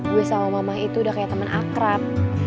gue sama mama itu udah kayak teman akrab